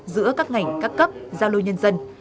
giữa các ngành các cấp giao lưu nhân dân